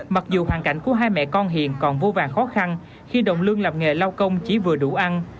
mặc dù hoàn cảnh của hai mẹ con hiền còn vô vàng khó khăn khi động lương làm nghề lau công chỉ vừa đủ ăn